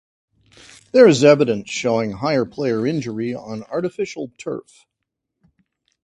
There is evidence showing higher player injury on artificial turf.